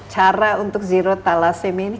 cara untuk zero tala semia ini